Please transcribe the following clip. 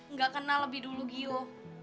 nggak kenal lebih dulu gio